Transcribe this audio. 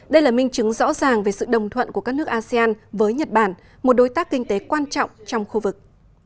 đây là minh chứng rõ ràng về sự đồng thuận của các nước asean với nhật bản một đối tác kinh tế quan trọng trong khu vực